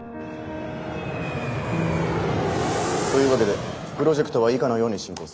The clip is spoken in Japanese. というわけでプロジェクトは以下のように進行する。